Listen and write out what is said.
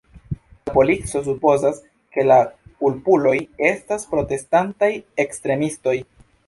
La polico supozas, ke la kulpuloj estas protestantaj ekstremistoj.